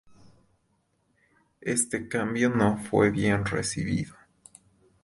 Este cambio no fue bien recibido.